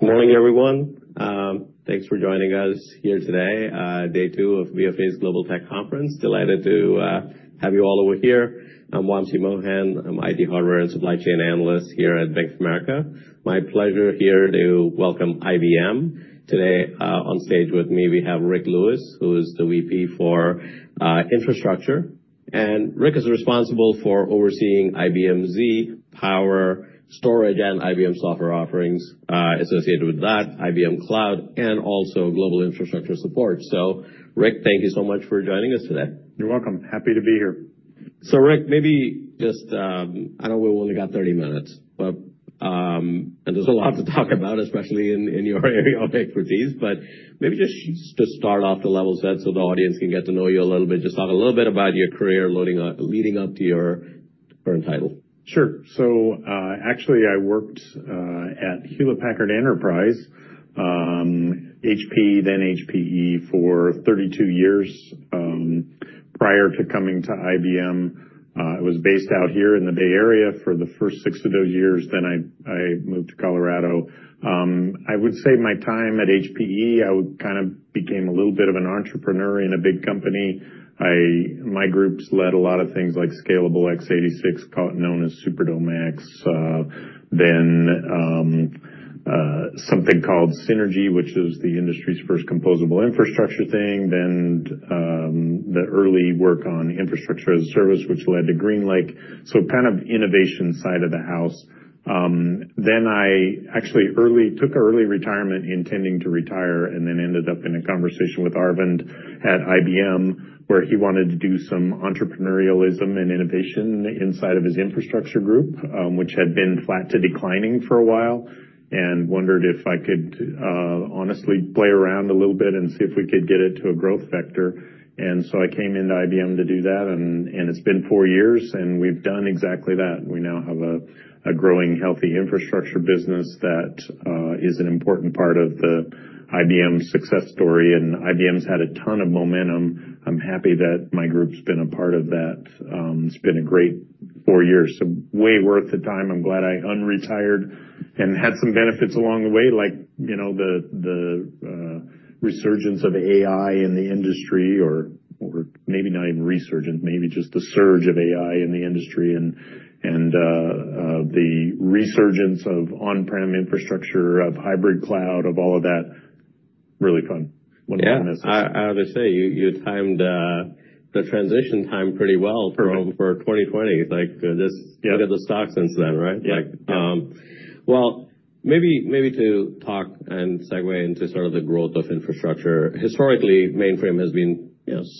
Morning, everyone. Thanks for joining us here today, day two of BofA's Global Tech Conference. Delighted to have you all over here. I'm Wamsi Mohan. I'm IT Hardware and Supply Chain Analyst here at Bank of America. My pleasure here to welcome IBM. Today, on stage with me, we have Ric Lewis, who is the VP for Infrastructure. Ric is responsible for overseeing IBM Z, Power, storage, and IBM software offerings associated with that, IBM Cloud, and also global infrastructure support. Rick, thank you so much for joining us today. You're welcome. Happy to be here. Ric, I know we've only got 30 minutes, and there's a lot to talk about, especially in your area of expertise, but maybe just start off to level set so the audience can get to know you a little bit. Just talk a little bit about your career, leading up to your current title. Sure. Actually, I worked at Hewlett Packard Enterprise, HP, then HPE for 32 years. Prior to coming to IBM, I was based out here in the Bay Area for the first six of those years, then I moved to Colorado. I would say my time at HPE, I kind of became a little bit of an entrepreneur in a big company. My groups led a lot of things like scalable x86, known as Superdome X, then something called Synergy, which is the industry's first composable infrastructure thing, then the early work on infrastructure as a service, which led to GreenLake. Kind of innovation side of the house. I actually took early retirement, intending to retire, ended up in a conversation with Arvind at IBM, where he wanted to do some entrepreneurialism and innovation inside of his infrastructure group, which had been flat to declining for a while, wondered if I could honestly play around a little bit and see if we could get it to a growth vector. I came into IBM to do that, and it's been four years, and we've done exactly that. We now have a growing, healthy infrastructure business that is an important part of the IBM success story. IBM's had a ton of momentum. I'm happy that my group's been a part of that. It's been a great four years, so way worth the time. I'm glad I unretired and had some benefits along the way, like the resurgence of AI in the industry, or maybe not even resurgence, maybe just the surge of AI in the industry and the resurgence of on-prem infrastructure, of hybrid cloud, of all of that. Really fun. Wonderful business. Yeah. I always say, you timed the transition time pretty well. Correct for 2020. Yeah look at the stock since then, right? Yeah. Well, maybe to talk and segue into sort of the growth of infrastructure. Historically, mainframe has been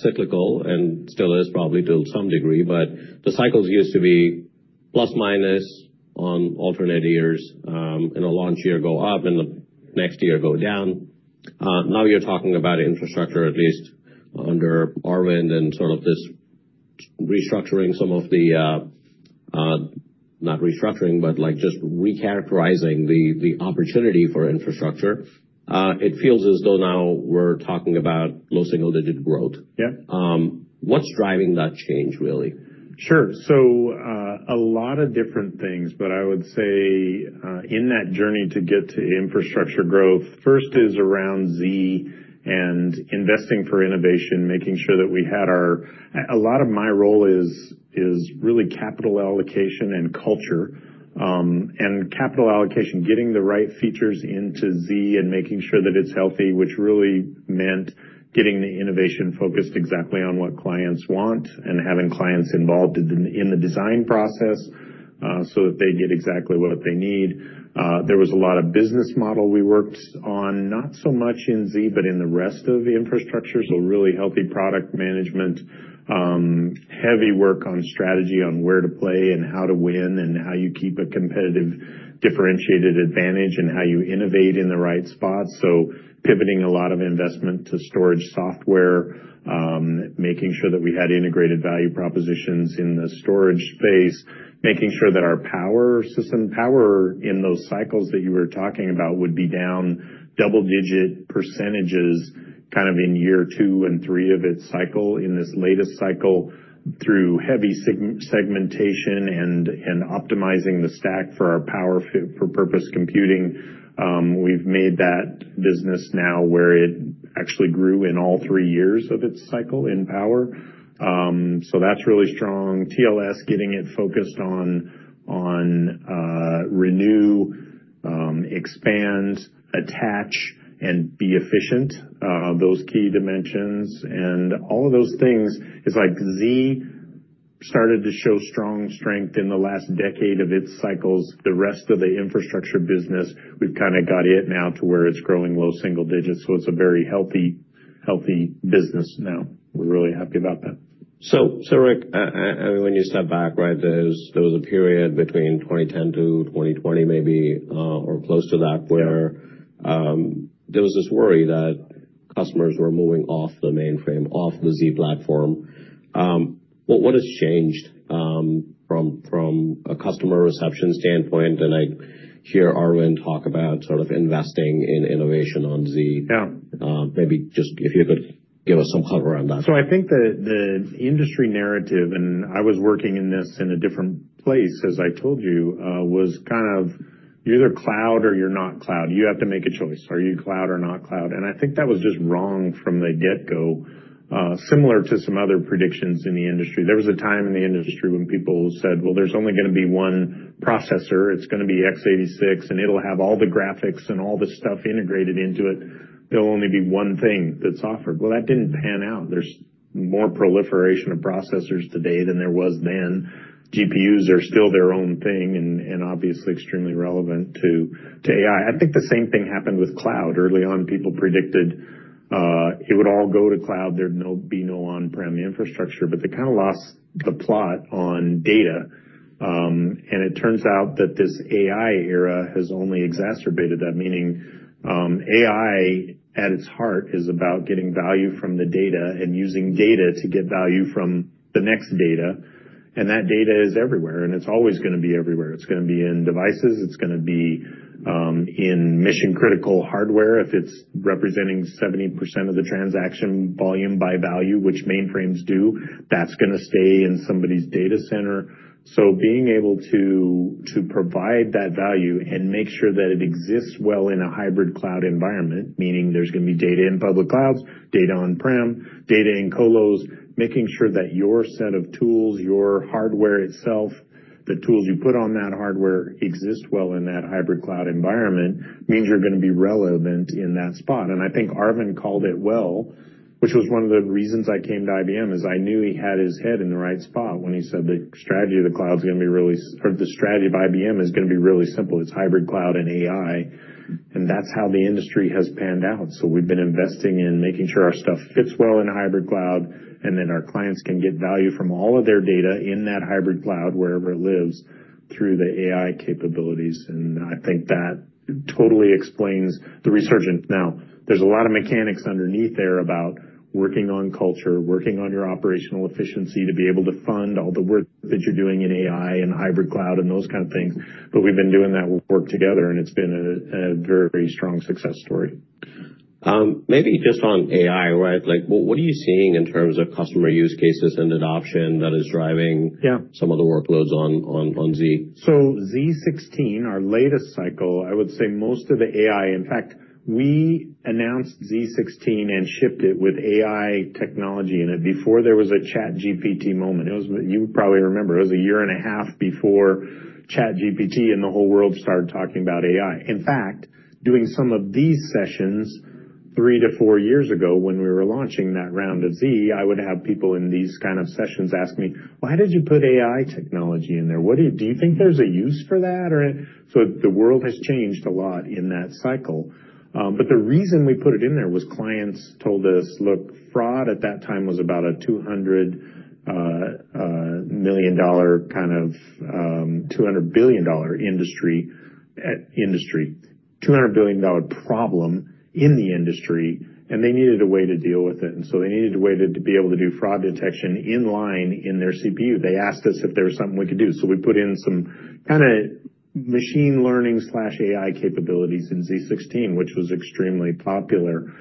cyclical, and still is probably to some degree, but the cycles used to be plus minus on alternate years. In a launch year, go up, and the next year go down. Now you're talking about infrastructure, at least under Arvind and sort of this restructuring some of the not restructuring, but just recharacterizing the opportunity for infrastructure. It feels as though now we're talking about low single-digit growth. Yeah. What's driving that change, really? Sure. A lot of different things. I would say, in that journey to get to infrastructure growth, first is around Z and investing for innovation, making sure that we had our A lot of my role is really capital allocation and culture. Capital allocation, getting the right features into Z and making sure that it's healthy, which really meant getting the innovation focused exactly on what clients want and having clients involved in the design process, so that they get exactly what they need. There was a lot of business model we worked on, not so much in Z, but in the rest of the infrastructure, so really healthy product management. Heavy work on strategy on where to play and how to win and how you keep a competitive, differentiated advantage and how you innovate in the right spots. Pivoting a lot of investment to storage software, making sure that we had integrated value propositions in the storage space, making sure that our IBM Power system, IBM Power in those cycles that you were talking about would be down double-digit percentages kind of in year two and three of its cycle. In this latest cycle, through heavy segmentation and optimizing the stack for our IBM Power for purpose computing, we've made that business now where it actually grew in all three years of its cycle in IBM Power. That's really strong. TLS, getting it focused on renew, expand, attach, and be efficient, those key dimensions. All of those things is like IBM Z started to show strong strength in the last decade of its cycles. The rest of the infrastructure business, we've kind of got it now to where it's growing low single digits. It's a very healthy business now. We're really happy about that. Ric, when you step back, right, there was a period between 2010 to 2020 maybe, or close to that, where Yeah there was this worry that Customers were moving off the mainframe, off the IBM Z platform. What has changed from a customer reception standpoint? I hear Arvind talk about sort of investing in innovation on IBM Z. Yeah. Maybe just if you could give us some color on that. I think the industry narrative, and I was working in this in a different place, as I told you, was kind of you're either cloud or you're not cloud. You have to make a choice. Are you cloud or not cloud? I think that was just wrong from the get-go, similar to some other predictions in the industry. There was a time in the industry when people said, "Well, there's only going to be one processor. It's going to be x86, and it'll have all the graphics and all this stuff integrated into it. There'll only be one thing that's offered." That didn't pan out. There's more proliferation of processors today than there was then. GPUs are still their own thing and obviously extremely relevant to AI. I think the same thing happened with cloud. Early on, people predicted it would all go to cloud, there'd be no on-prem infrastructure, but they kind of lost the plot on data. It turns out that this AI era has only exacerbated that. Meaning, AI at its heart is about getting value from the data and using data to get value from the next data, and that data is everywhere, and it's always going to be everywhere. It's going to be in devices, it's going to be in mission-critical hardware. If it's representing 70% of the transaction volume by value, which mainframes do, that's going to stay in somebody's data center. Being able to provide that value and make sure that it exists well in a hybrid cloud environment, meaning there's going to be data in public clouds, data on-prem, data in colos, making sure that your set of tools, your hardware itself, the tools you put on that hardware exist well in that hybrid cloud environment means you're going to be relevant in that spot. I think Arvind called it well, which was one of the reasons I came to IBM, is I knew he had his head in the right spot when he said the strategy of IBM is going to be really simple. It's hybrid cloud and AI. That's how the industry has panned out. We've been investing in making sure our stuff fits well in a hybrid cloud, and that our clients can get value from all of their data in that hybrid cloud, wherever it lives, through the AI capabilities. I think that totally explains the resurgence. There's a lot of mechanics underneath there about working on culture, working on your operational efficiency to be able to fund all the work that you're doing in AI and hybrid cloud and those kind of things. We've been doing that work together, and it's been a very strong success story. Maybe just on AI, what are you seeing in terms of customer use cases and adoption that is driving- Yeah some of the workloads on Z? Z16, our latest cycle, I would say most of the AI, In fact, we announced Z16 and shipped it with AI technology in it before there was a ChatGPT moment. You probably remember, it was a year and a half before ChatGPT and the whole world started talking about AI. In fact, doing some of these sessions three to four years ago when we were launching that round of Z, I would have people in these kind of sessions ask me, "Why did you put AI technology in there? Do you think there's a use for that?" The world has changed a lot in that cycle. The reason we put it in there was clients told us, look, fraud at that time was about a $200 billion problem in the industry, and they needed a way to deal with it. They needed a way to be able to do fraud detection in line in their CPU. They asked us if there was something we could do. We put in some kind of machine learning/AI capabilities in Z16, which was extremely popular.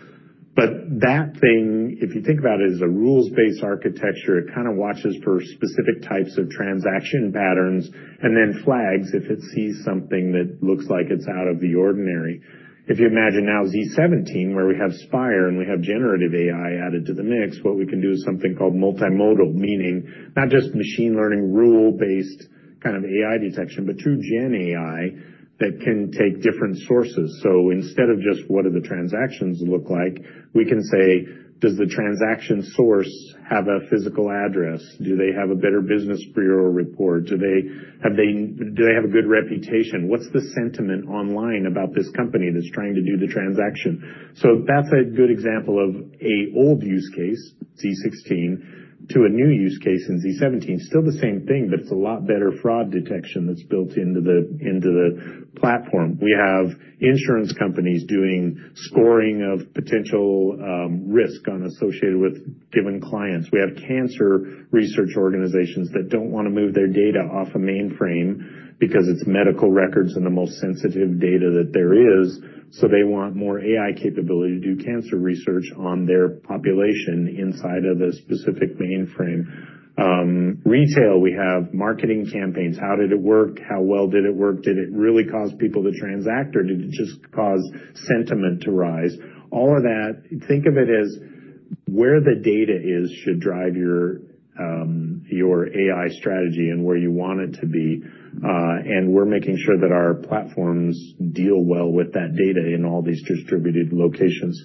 That thing, if you think about it, is a rules-based architecture. It kind of watches for specific types of transaction patterns and then flags if it sees something that looks like it's out of the ordinary. If you imagine now Z17, where we have Spire and we have generative AI added to the mix, what we can do is something called multimodal, meaning not just machine learning, rule-based kind of AI detection, but true gen AI that can take different sources. Instead of just what do the transactions look like, we can say, does the transaction source have a physical address? Do they have a Better Business Bureau report? Do they have a good reputation? What's the sentiment online about this company that's trying to do the transaction? That's a good example of an old use case, Z16, to a new use case in Z17. Still the same thing, it's a lot better fraud detection that's built into the platform. We have insurance companies doing scoring of potential risk associated with given clients. We have cancer research organizations that don't want to move their data off a mainframe because it's medical records and the most sensitive data that there is. They want more AI capability to do cancer research on their population inside of a specific mainframe. Retail, we have marketing campaigns. How did it work? How well did it work? Did it really cause people to transact, or did it just cause sentiment to rise? All of that, think of it as where the data is, should drive your AI strategy and where you want it to be. We're making sure that our platforms deal well with that data in all these distributed locations.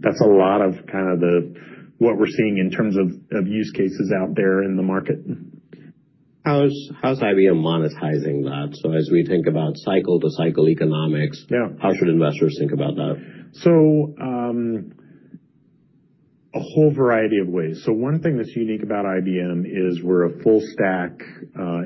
That's a lot of kind of what we're seeing in terms of use cases out there in the market. How's IBM monetizing that? As we think about cycle-to-cycle economics. Yeah how should investors think about that? A whole variety of ways. One thing that's unique about IBM is we're a full stack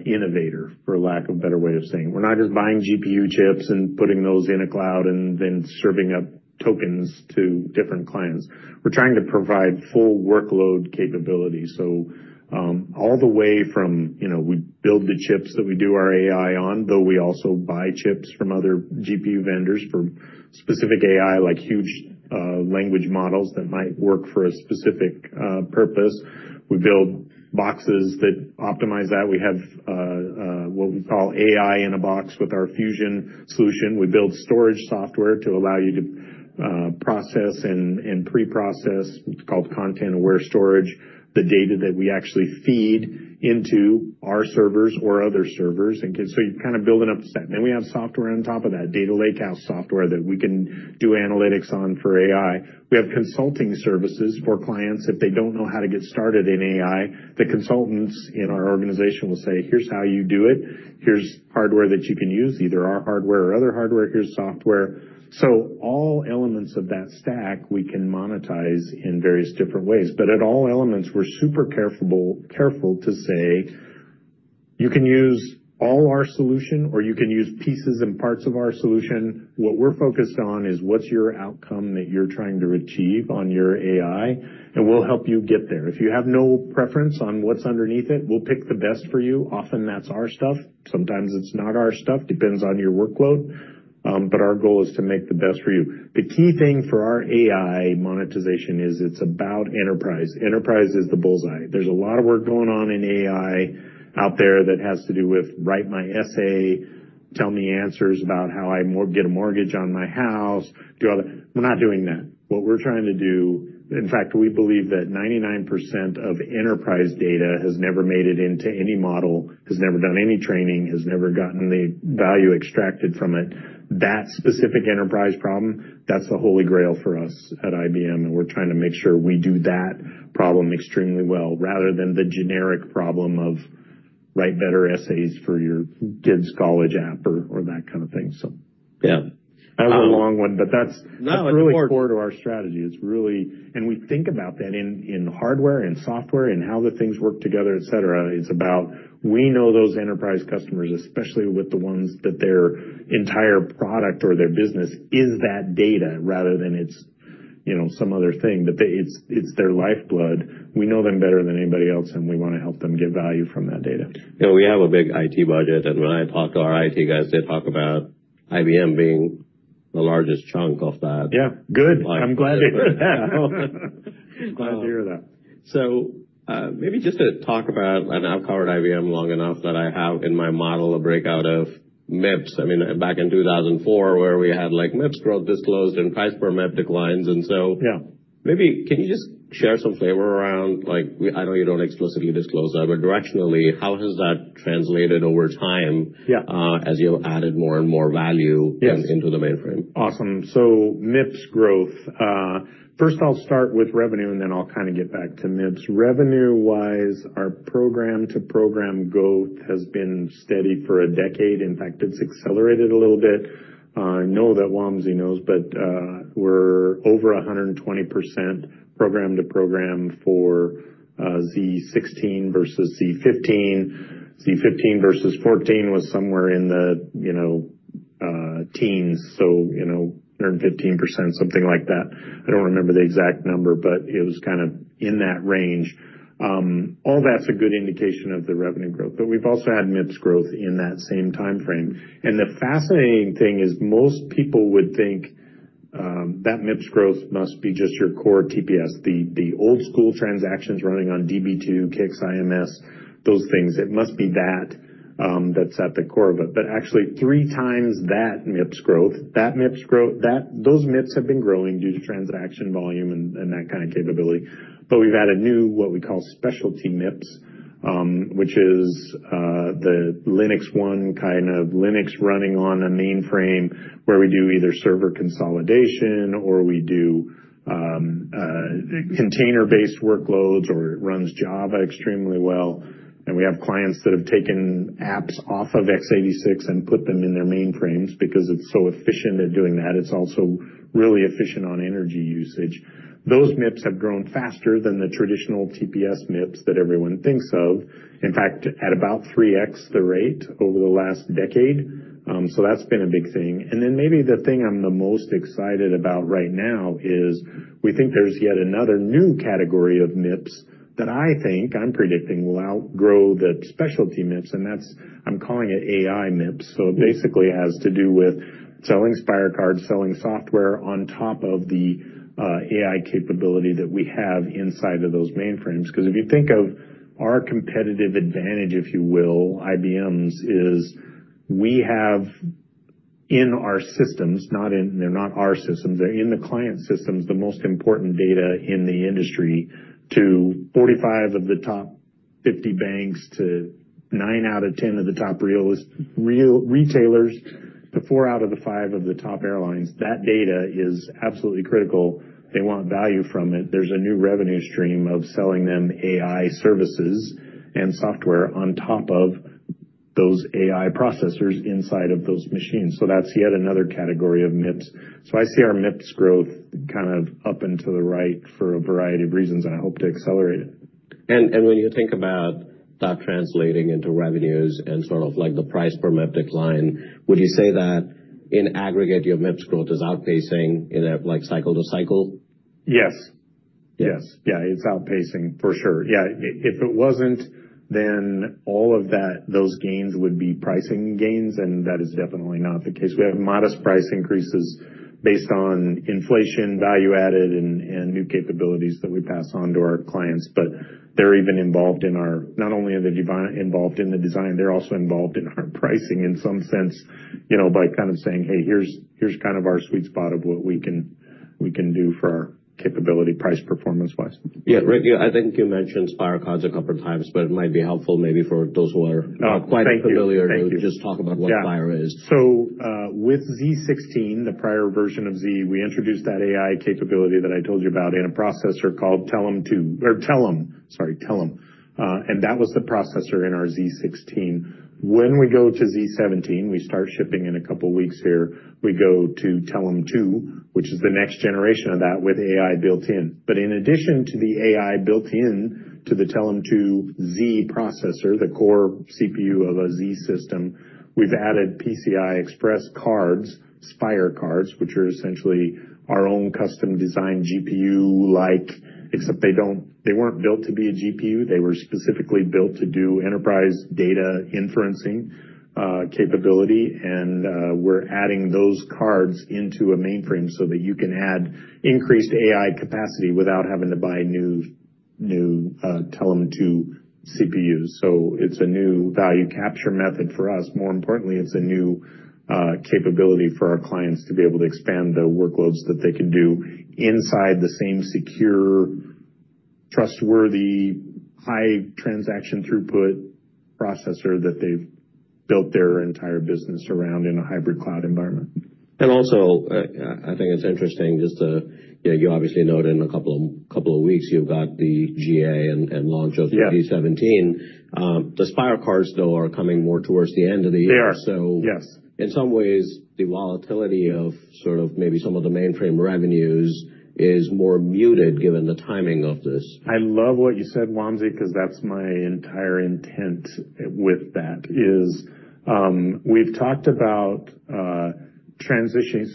innovator, for lack of a better way of saying. We're not just buying GPU chips and putting those in a cloud and then serving up tokens to different clients. We're trying to provide full workload capability. All the way from, we build the chips that we do our AI on, though we also buy chips from other GPU vendors for specific AI, like huge language models that might work for a specific purpose. We build boxes that optimize that. We have what we call AI in a box with our IBM Fusion solution. We build storage software to allow you to process and pre-process, it's called content-aware storage, the data that we actually feed into our servers or other servers. You kind of build an up-stack. We have software on top of that, data lakehouse software that we can do analytics on for AI. We have consulting services for clients if they don't know how to get started in AI, the consultants in our organization will say, "Here's how you do it. Here's hardware that you can use, either our hardware or other hardware. Here's software." All elements of that stack we can monetize in various different ways. At all elements, we're super careful to say, "You can use all our solution, or you can use pieces and parts of our solution. What we're focused on is what's your outcome that you're trying to achieve on your AI, and we'll help you get there. If you have no preference on what's underneath it, we'll pick the best for you. Often that's our stuff. Sometimes it's not our stuff, depends on your workload. Our goal is to make the best for you." The key thing for our AI monetization is it's about enterprise. Enterprise is the bullseye. There's a lot of work going on in AI out there that has to do with write my essay, tell me answers about how I get a mortgage on my house. We're not doing that. What we're trying to do, in fact, we believe that 99% of enterprise data has never made it into any model, has never done any training, has never gotten the value extracted from it. That specific enterprise problem, that's the Holy Grail for us at IBM, and we're trying to make sure we do that problem extremely well, rather than the generic problem of write better essays for your kid's college app or that kind of thing. Yeah. That was a long one. No, it's important really core to our strategy. We think about that in hardware and software and how the things work together, et cetera. It's about, we know those enterprise customers, especially with the ones that their entire product or their business is that data rather than it's some other thing. It's their lifeblood. We know them better than anybody else, and we want to help them get value from that data. We have a big IT budget, and when I talk to our IT guys, they talk about IBM being the largest chunk of that. Yeah. Good. I'm glad to hear that. Glad to hear that. Maybe just to talk about, and I've covered IBM long enough that I have in my model a breakout of MIPS. Back in 2004, where we had MIPS growth disclosed and price per MIP declines. Yeah Maybe can you just share some flavor around, I know you don't explicitly disclose that, but directionally, how has that translated. Yeah As you added more and more value. Yes into the mainframe? Awesome. MIPS growth. First I'll start with revenue, then I'll kind of get back to MIPS. Revenue-wise, our program-to-program growth has been steady for a decade. In fact, it's accelerated a little bit. I know that Wamsi knows, we're over 120% program to program for z16 versus z15. z15 versus 14 was somewhere in the teens, 115%, something like that. I don't remember the exact number, it was kind of in that range. All that's a good indication of the revenue growth, we've also had MIPS growth in that same time frame. The fascinating thing is most people would think that MIPS growth must be just your core TPS, the old school transactions running on Db2, CICS, IMS, those things. It must be that that's at the core of it. Actually three times that MIPS growth. Those MIPS have been growing due to transaction volume and that kind of capability. We've added new, what we call specialty MIPS, which is the LinuxONE, kind of Linux running on a mainframe where we do either server consolidation or we do container-based workloads, or it runs Java extremely well. We have clients that have taken apps off of x86 and put them in their mainframes because it's so efficient at doing that. It's also really efficient on energy usage. Those MIPS have grown faster than the traditional TPS MIPS that everyone thinks of. In fact, at about 3X the rate over the last decade. That's been a big thing. Maybe the thing I'm the most excited about right now is we think there's yet another new category of MIPS that I think, I'm predicting, will outgrow the specialty MIPS, that's, I'm calling it AI MIPS. Basically has to do with selling Spyre Accelerator, selling software on top of the AI capability that we have inside of those mainframes. If you think of our competitive advantage, if you will, IBM's, is we have in our systems, they're not our systems, they're in the client systems, the most important data in the industry to 45 of the top 50 banks, to nine out of 10 of the top retailers, to four out of the five of the top airlines. That data is absolutely critical. They want value from it. There's a new revenue stream of selling them AI services and software on top of those AI processors inside of those machines. That's yet another category of MIPS. I see our MIPS growth kind of up and to the right for a variety of reasons, and I hope to accelerate it. When you think about that translating into revenues and sort of like the price per MIPS decline, would you say that in aggregate, your MIPS growth is outpacing in a cycle-to-cycle? Yes. Yes. Yeah, it's outpacing for sure. Yeah. If it wasn't, all of those gains would be pricing gains, that is definitely not the case. We have modest price increases based on inflation, value added, and new capabilities that we pass on to our clients. Not only are they involved in the design, they're also involved in our pricing in some sense, by kind of saying, "Hey, here's kind of our sweet spot of what we can do for our capability, price-performance-wise. Yeah. Rick, I think you mentioned Spire cards a couple of times, it might be helpful maybe for those who are- Oh, thank you not quite familiar to just talk about what Spyre is. with IBM z16, the prior version of IBM Z, we introduced that AI capability that I told you about in a processor called Telum, or Telum, sorry. Telum. That was the processor in our IBM z16. When we go to IBM z17, we start shipping in a couple of weeks here, we go to Telum II, which is the next generation of that with AI built in. In addition to the AI built-in to the Telum II IBM Z processor, the core CPU of an IBM Z system, we've added PCIe cards, Spyre cards, which are essentially our own custom-designed GPU-like, except they weren't built to be a GPU. They were specifically built to do enterprise data inferencing capability. We're adding those cards into a mainframe so that you can add increased AI capacity without having to buy new Telum II CPUs. It's a new value capture method for us. More importantly, it's a new capability for our clients to be able to expand the workloads that they can do inside the same secure, trustworthy, high transaction throughput processor that they've built their entire business around in a hybrid cloud environment. Also, I think it's interesting just to, you obviously noted in a couple of weeks, you've got the GA and launch of. Yeah z17. The Spire cards, though, are coming more towards the end of the year. They are. Yes. In some ways, the volatility of sort of maybe some of the mainframe revenues is more muted given the timing of this. I love what you said, Wamsi, because that's my entire intent with that is, we've talked about transitioning.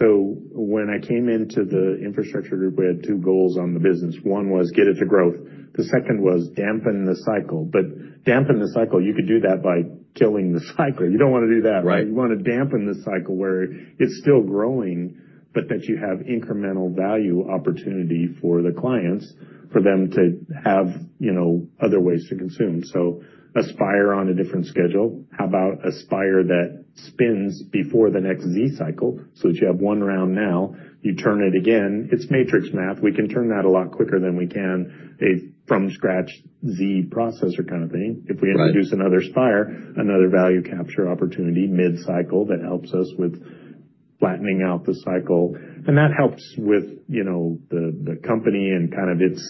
When I came into the infrastructure group, we had two goals on the business. One was get it to growth, the second was dampen the cycle. Dampen the cycle, you could do that by killing the cycle. You don't want to do that. Right. You want to dampen the cycle where it's still growing, but that you have incremental value opportunity for the clients for them to have other ways to consume. Spire on a different schedule. How about Spire that spins before the next Z cycle, so that you have one round now, you turn it again. It's matrix math. We can turn that a lot quicker than we can a from-scratch Z processor kind of thing. Right. If we introduce another Spire, another value capture opportunity mid-cycle, that helps us with flattening out the cycle. That helps with the company and kind of its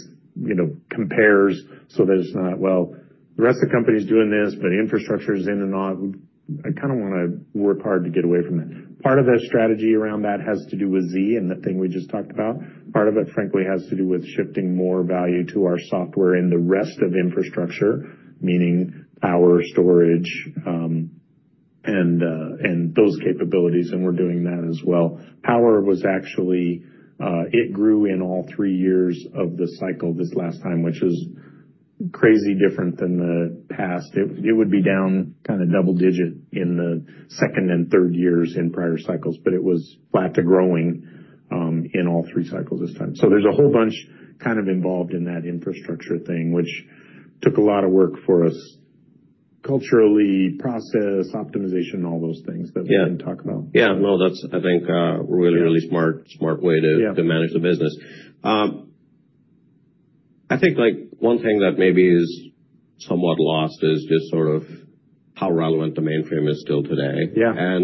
compares so that it's not, well, the rest of the company's doing this, but infrastructure is in and out. I kind of want to work hard to get away from that. Part of that strategy around that has to do with Z and the thing we just talked about. Part of it, frankly, has to do with shifting more value to our software and the rest of infrastructure, meaning Power storage, and those capabilities, and we're doing that as well. Power was actually, it grew in all three years of the cycle this last time, which is crazy different than the past. It would be down kind of double-digit in the second and third years in prior cycles, but it was flat to growing in all three cycles this time. There's a whole bunch kind of involved in that infrastructure thing, which took a lot of work for us culturally, process optimization, all those things that. Yeah we can talk about. Yeah. No, that's, I think, a really smart way to- Yeah to manage the business. I think one thing that maybe is somewhat lost is just sort of how relevant the mainframe is still today. Yeah.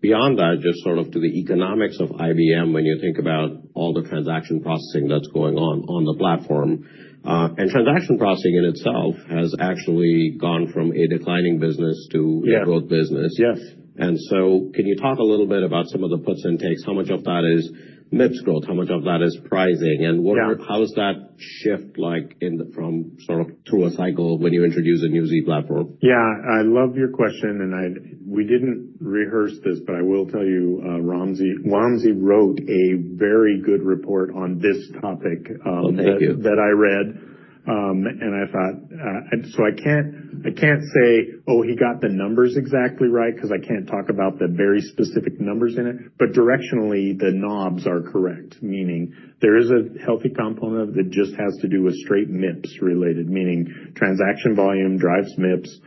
Beyond that, just sort of to the economics of IBM, when you think about all the transaction processing that's going on the platform. Transaction processing in itself has actually gone from a declining business to- Yeah a growth business. Yes. Can you talk a little bit about some of the puts and takes? How much of that is MIPS growth? How much of that is pricing? Yeah How does that shift like from sort of through a cycle when you introduce a new Z platform? Yeah, I love your question, and we didn't rehearse this, but I will tell you, Wamsi wrote a very good report on this topic. Oh, thank you that I read. I thought, I can't say, "Oh, he got the numbers exactly right," because I can't talk about the very specific numbers in it. Directionally, the knobs are correct, meaning there is a healthy component that just has to do with straight MIPS related, meaning transaction volume drives MIPS.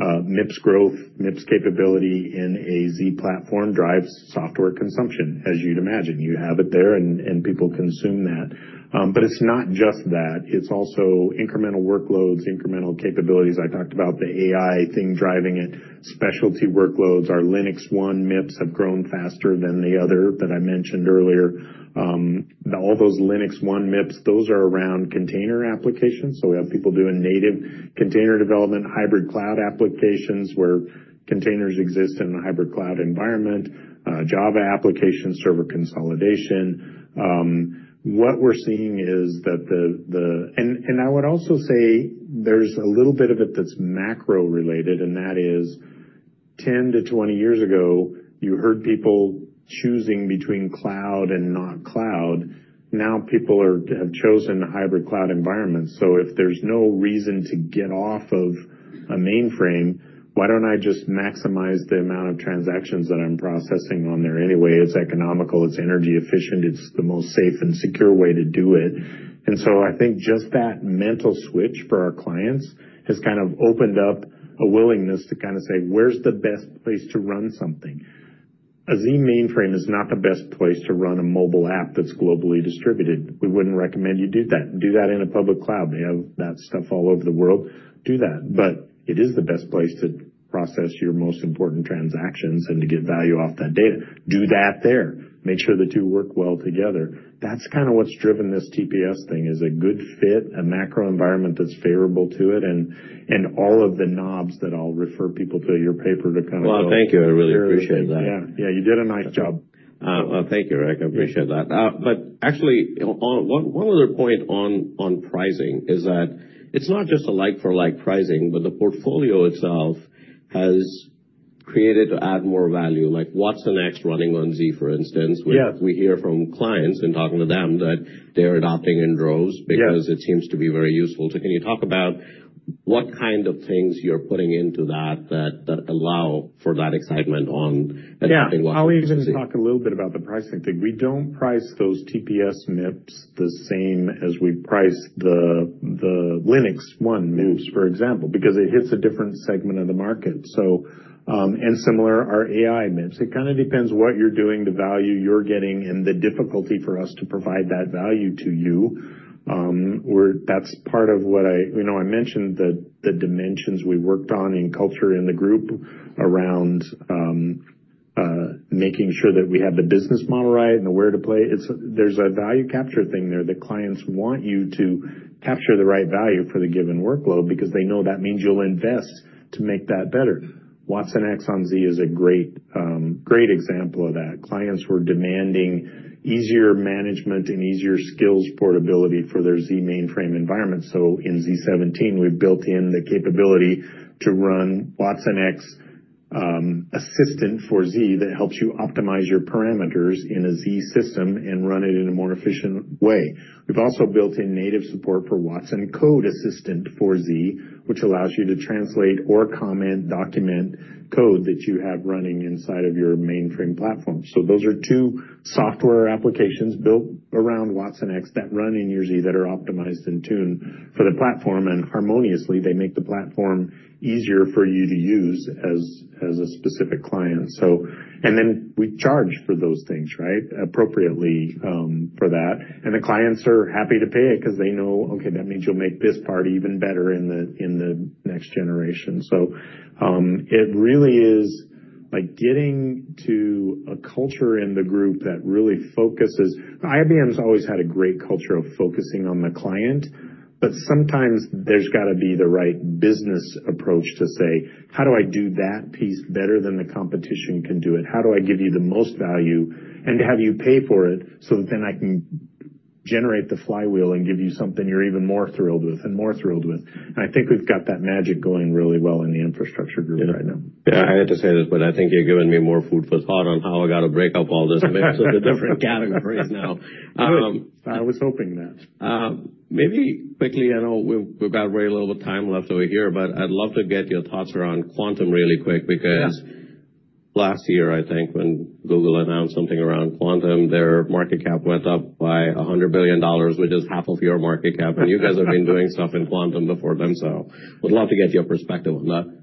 MIPS growth, MIPS capability in a Z platform drives software consumption, as you'd imagine. You have it there, and people consume that. It's not just that. It's also incremental workloads, incremental capabilities. I talked about the AI thing driving it, specialty workloads. Our IBM LinuxONE MIPS have grown faster than the other that I mentioned earlier. All those IBM LinuxONE MIPS, those are around container applications. We have people doing native container development, hybrid cloud applications where containers exist in a hybrid cloud environment, Java application server consolidation. I would also say there's a little bit of it that's macro-related, and that is 10 to 20 years ago, you heard people choosing between cloud and not cloud. Now, people have chosen the hybrid cloud environment. If there's no reason to get off of a mainframe, why don't I just maximize the amount of transactions that I'm processing on there anyway? It's economical, it's energy efficient, it's the most safe and secure way to do it. I think just that mental switch for our clients has kind of opened up a willingness to say, "Where's the best place to run something?" A Z mainframe is not the best place to run a mobile app that's globally distributed. We wouldn't recommend you do that. Do that in a public cloud. We have that stuff all over the world. Do that. It is the best place to process your most important transactions and to get value off that data. Do that there. Make sure the two work well together. That's kind of what's driven this TPS thing, is a good fit, a macro environment that's favorable to it, and all of the knobs that I'll refer people to your paper. Well, thank you. I really appreciate that. Yeah. You did a nice job. Well, thank you, Ric. I appreciate that. Actually, one other point on pricing is that it's not just a like-for-like pricing, but the portfolio itself has created to add more value, like watsonx running on Z, for instance. Yeah We hear from clients and talking to them that they're adopting in droves. Yeah because it seems to be very useful, too. Can you talk about what kind of things you're putting into that allow for that excitement? Yeah. I'll even talk a little bit about the pricing thing. We don't price those TPS MIPS the same as we price the LinuxONE MIPS, for example, because it hits a different segment of the market. Similar, our AI MIPS. It kind of depends what you're doing, the value you're getting, and the difficulty for us to provide that value to you. I mentioned the dimensions we worked on in culture in the group around making sure that we have the business model right and the where to play. There's a value capture thing there that clients want you to capture the right value for the given workload because they know that means you'll invest to make that better. watsonx on Z is a great example of that. Clients were demanding easier management and easier skills portability for their Z mainframe environment. In z17, we've built in the capability to run watsonx Assistant for Z that helps you optimize your parameters in a Z system and run it in a more efficient way. We've also built in native support for watsonx Code Assistant for Z, which allows you to translate or comment, document code that you have running inside of your mainframe platform. Those are two software applications built around watsonx that run in your Z that are optimized and tuned for the platform, harmoniously, they make the platform easier for you to use as a specific client. We charge for those things appropriately for that, and the clients are happy to pay it because they know, okay, that means you'll make this part even better in the next generation. It really is like getting to a culture in the group that really focuses IBM's always had a great culture of focusing on the client, sometimes there's got to be the right business approach to say, "How do I do that piece better than the competition can do it? How do I give you the most value and have you pay for it that I can generate the flywheel and give you something you're even more thrilled with and more thrilled with?" I think we've got that magic going really well in the infrastructure group right now. Yeah, I hate to say this. I think you've given me more food for thought on how I got to break up all this into different categories now. Good. I was hoping that. Maybe quickly, I know we've got very little time left over here. I'd love to get your thoughts around Quantum really quick, because last year, I think, when Google announced something around Quantum, their market cap went up by $100 billion, which is half of your market cap. You guys have been doing stuff in Quantum before them. Would love to get your perspective on that.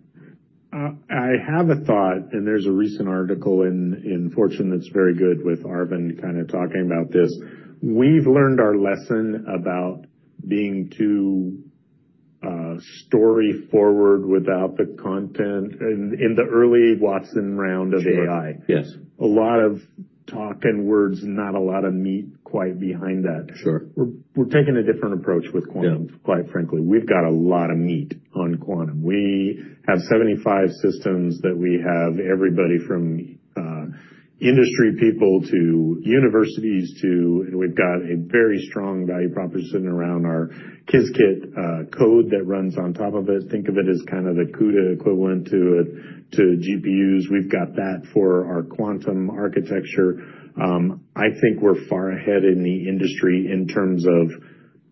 I have a thought. There's a recent article in Fortune that's very good with Arvind kind of talking about this. We've learned our lesson about being too story forward without the content in the early Watson round of AI. Yes. A lot of talk and words, not a lot of meat quite behind that. Sure. We're taking a different approach with Quantum, quite frankly. We've got a lot of meat on Quantum. We have 75 systems that we have everybody from industry people to universities to, and we've got a very strong value proposition around our Qiskit code that runs on top of it. Think of it as kind of the CUDA equivalent to GPUs. We've got that for our quantum architecture. I think we're far ahead in the industry in terms of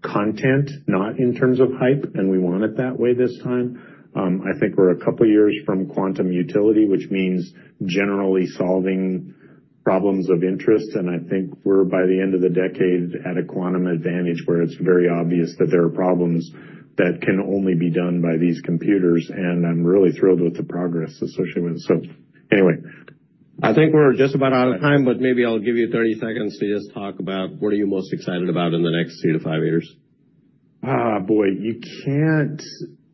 content, not in terms of hype, and we want it that way this time. I think we're a couple years from quantum utility, which means generally solving problems of interest, and I think we're, by the end of the decade, at a quantum advantage where it's very obvious that there are problems that can only be done by these computers, and I'm really thrilled with the progress associated with it. Anyway. I think we're just about out of time, but maybe I'll give you 30 seconds to just talk about what are you most excited about in the next three to five years? Oh, boy. You can't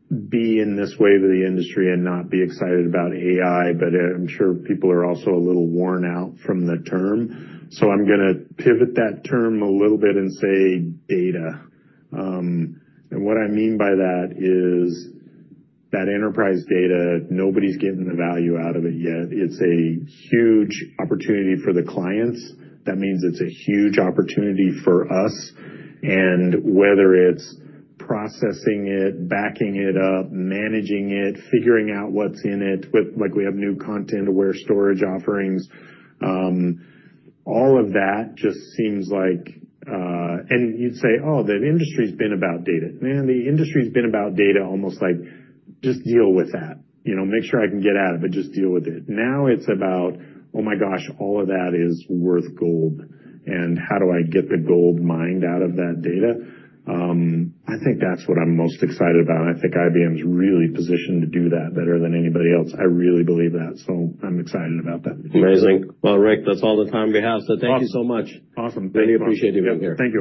be in this wave of the industry and not be excited about AI, but I'm sure people are also a little worn out from the term. I'm going to pivot that term a little bit and say data. What I mean by that is that enterprise data, nobody's getting the value out of it yet. It's a huge opportunity for the clients. That means it's a huge opportunity for us, and whether it's processing it, backing it up, managing it, figuring what's in it. Like, we have new content-aware storage offerings. You'd say, "Oh, the industry's been about data." Man, the industry's been about data almost like just deal with that. Make sure I can get at it, but just deal with it. Now it's about, oh, my gosh, all of that is worth gold. How do I get the gold mined out of that data? I think that's what I'm most excited about. I think IBM's really positioned to do that better than anybody else. I really believe that, I'm excited about that. Amazing. Well, Ric, that's all the time we have. Thank you so much. Awesome. Thank you. Really appreciate you being here.